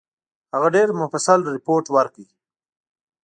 هغه ډېر مفصل رپوټ ورکړ.